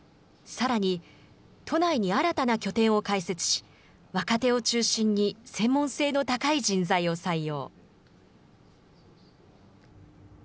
さらに都内に新たな拠点を開設し、若手を中心に、専門性の高い人材を採用。